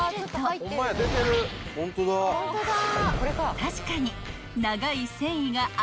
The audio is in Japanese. ［確かに］